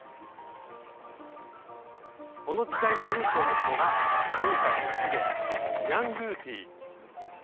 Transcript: この時代にルーツを持つのが今回の手芸「ニャンドゥティ」。